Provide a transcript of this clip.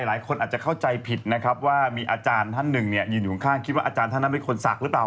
หลายคนอาจจะเข้าใจผิดนะครับว่ามีอาจารย์ท่านหนึ่งเนี่ยยืนอยู่ข้างคิดว่าอาจารย์ท่านนั้นเป็นคนศักดิ์หรือเปล่า